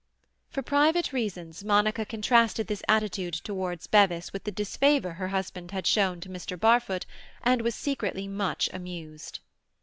For private reasons, Monica contrasted this attitude towards Bevis with the disfavour her husband had shown to Mr. Barfoot, and was secretly much amused.